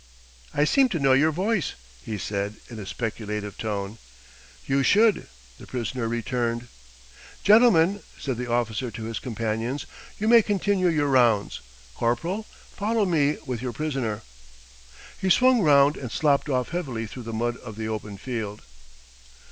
"I seem to know your voice," he said in a speculative tone. "You should," the prisoner returned. "Gentlemen," said the officer to his companions, "you may continue your rounds. Corporal, follow me with your prisoner." He swung round and slopped off heavily through the mud of the open field.